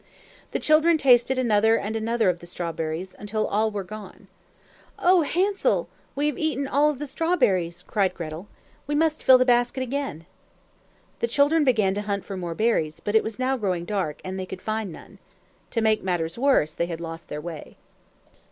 The children tasted another and another of the strawberries, until all were gone. "Oh, Hansel! We have eaten all of the strawberries," cried Gretel. "We must fill the basket again." The children began to hunt for more berries, but it was now growing dark, and they could find none. To make matters worse, they had lost their way.